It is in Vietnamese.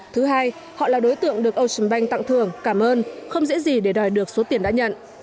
thứ hai họ là đối tượng được ocean bank tặng thưởng cảm ơn không dễ gì để đòi được số tiền đã nhận